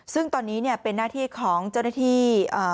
ซึ่งตอนนี้เนี่ยเป็นหน้าที่ของเจ้าหน้าที่